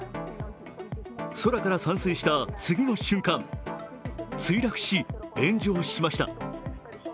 空から散水した次の瞬間墜落し、炎上しました。